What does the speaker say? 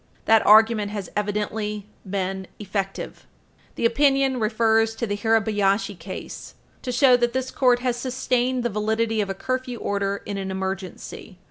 That argument has evidently been effective. The opinion refers to the Hirabayashi case, supra, to show that this court has sustained the validity of a curfew order in an emergency.